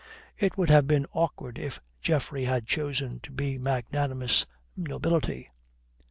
It would have been awkward if Geoffrey had chosen to be magnanimous nobility.